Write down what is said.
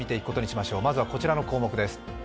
まずはこちらの項目です。